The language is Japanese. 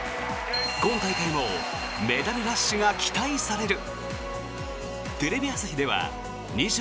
今大会もメダルラッシュが期待される！